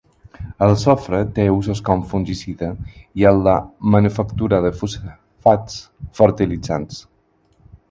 El sofre té usos com fungicida i en la manufactura de fosfats fertilitzants.